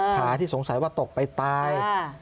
ขาที่สงสัยว่าตกไปตาย